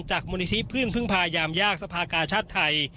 มูลนิธิพึ่งพายามยากสภากาชาติไทย